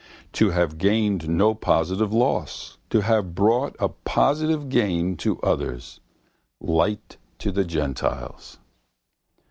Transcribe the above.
To have sustained no positive loss. To have brought a positive gain to others. Light to the gentiles.